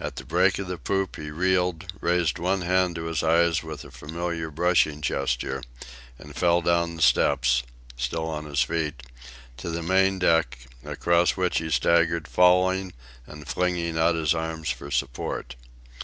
At the break of the poop he reeled, raised one hand to his eyes with the familiar brushing gesture, and fell down the steps—still on his feet—to the main deck, across which he staggered, falling and flinging out his arms for support.